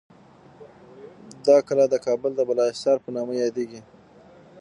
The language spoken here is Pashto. دا کلا د کابل د بالاحصار په نامه یادیږي.